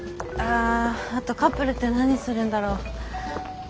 ああとカップルって何するんだろう？